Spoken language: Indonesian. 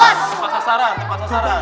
tepat sasaran tempat sasaran